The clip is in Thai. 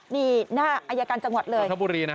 นี่หน้าอายการจังหวัดเลย